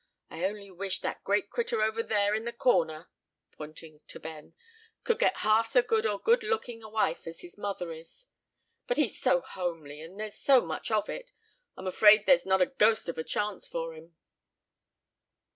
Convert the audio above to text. I only wish that great critter over there in the corner," pointing to Ben, "could get half so good or good looking a wife as his mother is; but he's so homely, and there's so much of it, I'm afraid there's not a ghost of a chance for him."